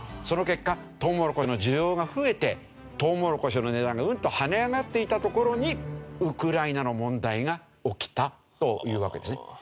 その結果トウモロコシの需要が増えてトウモロコシの値段がうんと跳ね上がっていたところにウクライナの問題が起きたというわけですね。